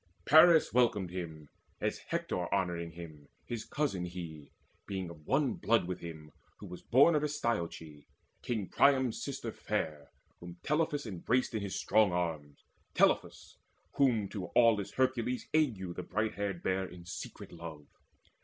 Paris welcomed him, As Hector honouring him, his cousin he, Being of one blood with him, who was born Of Astyoche, King Priam's sister fair Whom Telephus embraced in his strong arms, Telephus, whom to aweless Hercules Auge the bright haired bare in secret love.